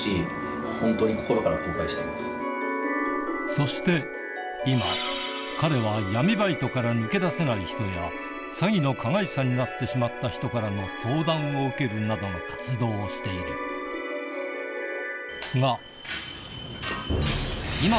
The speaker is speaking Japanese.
そして今彼は闇バイトから抜け出せない人や詐欺の加害者になってしまった人からの相談を受けるなどの活動をしているが手を染め